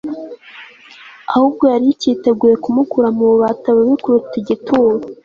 ahubwo yari icyiteguye kumukura mu bubata bubi kuruta igituro